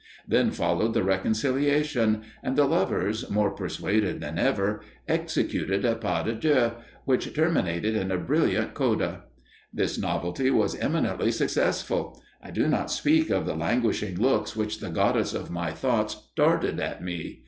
Then followed the reconciliation; and the lovers, more persuaded than ever, executed a pas de deux, which terminated in a brilliant coda. This novelty was eminently successful. I do not speak of the languishing looks which the goddess of my thoughts darted at me.